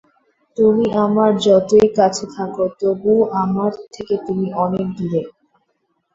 তুমি আমার যতই কাছে থাক তবু আমার থেকে তুমি অনেক দূরে।